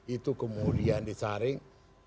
itu kemudian disaring